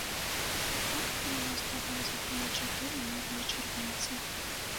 Так і прынёс да воза тыя чатыры новыя чырвонцы.